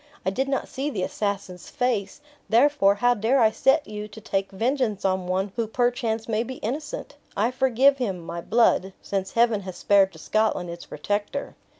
I did not see the assassin's face, therefore, how dare I set you to take vengeance on one who perchance may be innocent? I forgive him, my blood, since Heaven has spared to Scotland its protector."